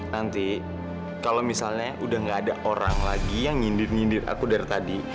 nanti kalau misalnya udah nggak ada orang lagi yang ngindir ngindir aku dari tadi